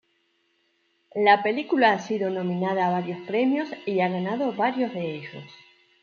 La película ha sido nominada a varios premios y ha ganado varios de ellos.